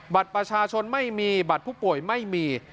บัตรประชาชนไม่มีบัตรผู้ป่วยไม่มี